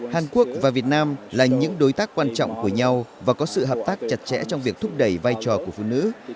hàn quốc và việt nam là những đối tác quan trọng của nhau và có sự hợp tác chặt chẽ trong việc thúc đẩy vai trò của phụ nữ